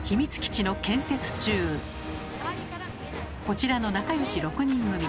こちらの仲良し６人組。